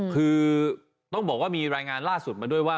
คือต้องบอกว่ามีรายงานล่าสุดมาด้วยว่า